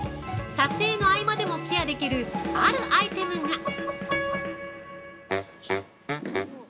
撮影の合間でもケアできるあるアイテムが。